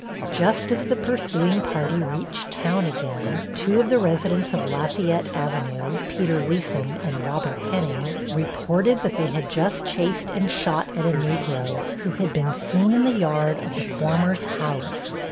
Just as the pursuing party reached town again, two of the residents of Lafayette Avenue, Peter Leson and Robert Henning, reported that they had just chased and shot at a Negro, who had been seen in the yard of the former's house.